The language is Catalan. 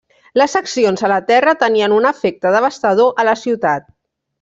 Les accions a la terra tenien un efecte devastador a la ciutat.